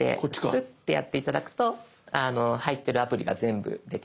スッてやって頂くと入ってるアプリが全部出てきます。